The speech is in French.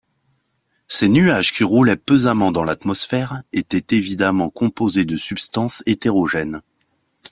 Ces nuages, qui roulaient pesamment dans l’atmosphère, étaient évidemment composés de substances hétérogènes